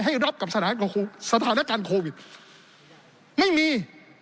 รับกับสถานการณ์โควิดไม่มี